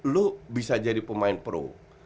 lo bisa jadi pemain pro